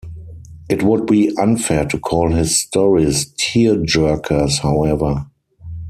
It would be unfair to call his stories tearjerkers however.